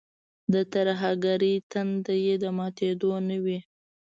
د ترهګرۍ تنده یې د ماتېدو نه وي.